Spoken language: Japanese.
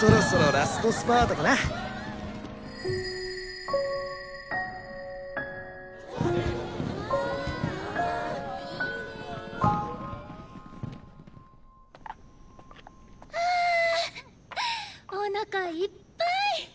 そろそろラストスパートかな。はおなかいっぱい！